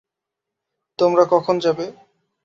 তোমরা কখন যাবে?